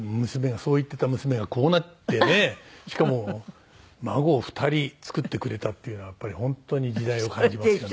そう言ってた娘がこうなってねしかも孫を２人作ってくれたっていうのは本当に時代を感じますよね。